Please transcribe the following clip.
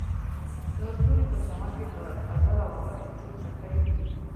د ستوري په چمک کې د ازل او ابد کیسې پټې دي.